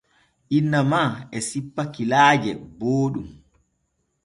Inna ma e sippa kilaaje booɗɗum.